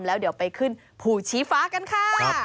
แล้วเดี๋ยวไปขึ้นภูชีฟ้ากันค่ะ